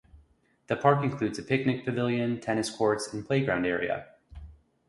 The park includes a picnic pavilion, tennis courts, and playground area.